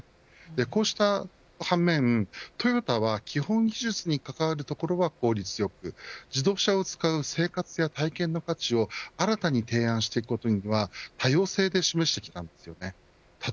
こうした反面トヨタは基本技術に関わるところは効率よく自動車は使う生活や体験の価値を新たに提案していくことには多様性で示してきました。